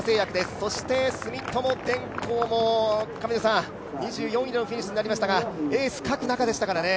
そして住友電工も２４位でのフィニッシュとなりましたがエースを欠く中ででしたからね。